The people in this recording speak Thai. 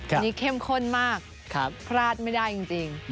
อันนี้เข้มข้นมากพลาดไม่ได้จริง